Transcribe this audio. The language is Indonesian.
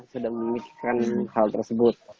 sedang memikirkan hal tersebut